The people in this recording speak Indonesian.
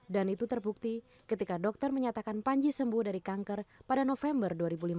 dan itu terbukti ketika dokter menyatakan panji sembuh dari kanker pada november dua ribu lima belas